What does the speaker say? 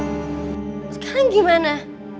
terus sekarang gimana